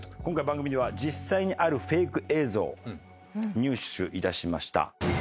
今回番組では実際にあるフェイク映像入手いたしました。